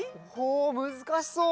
おむずかしそう。